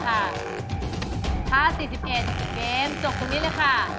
๕๔๑เกมส์จบตรงนี้เลยค่ะ